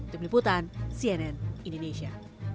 di peliputan cnn indonesia